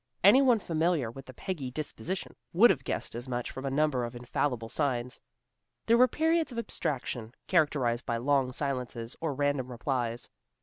Any one familiar with the Peggy disposition would have guessed as much from a number of infallible signs. There were periods of abstraction, characterized by long silences or random replies.